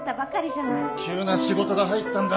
急な仕事が入ったんだ。